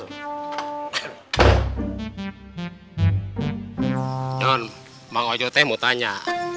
jon bang wajote mau tanya